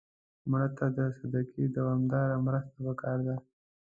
مړه ته د صدقې دوامداره مرسته پکار ده